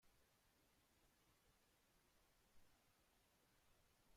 Es la tercera pista de dicho álbum.